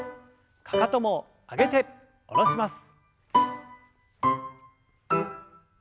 かかとも上げて下ろします。